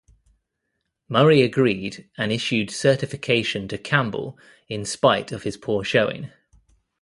Murray agreed and issued certification to Campbell in spite of his poor showing.